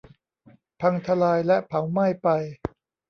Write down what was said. พังทลายและเผาไหม้ไป